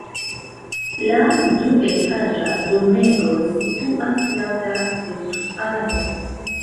La duetaĝa domego situas laŭ la trotuaro.